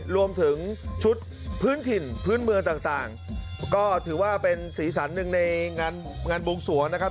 รวมถึงชุดพื้นถิ่นพื้นเมืองต่างก็ถือว่าเป็นสีสันหนึ่งในงานบวงสวงนะครับ